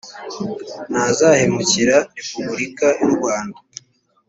ntazahemukira Repubulika y urwanda